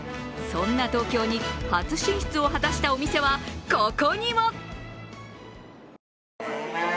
そんな東京に初進出を果たしたお店はここにも。